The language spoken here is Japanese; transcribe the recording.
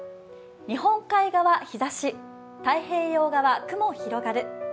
日本海側日ざし、太平洋側雲広がる。